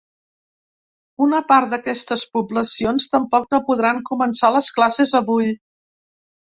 Una part d’aquestes poblacions tampoc no podran començar les classes avui.